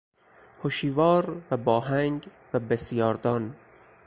هشیوار و باهنگ و بسیار دان